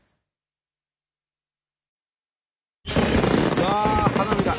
うわ花火だ！